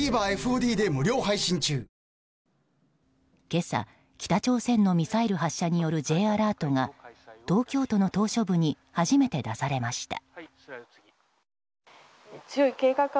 今朝、北朝鮮のミサイル発射によるＪアラートが東京都の島しょ部に初めて出されました。